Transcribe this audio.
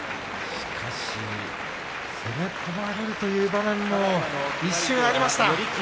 しかし攻め込まれる場面も一瞬ありました。